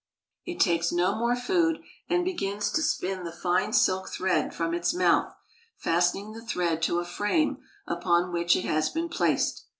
It takes no more food, and begins to spin the fine silk thread from its mouth, fastening the thread to a frame upon which it has been placed.